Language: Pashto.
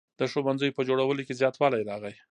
د ښوونځیو په جوړولو کې زیاتوالی راغی.